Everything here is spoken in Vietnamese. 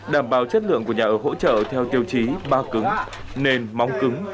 đảm bảo chất lượng của nhà ở hỗ trợ theo tiêu chí ba cứng nền móng cứng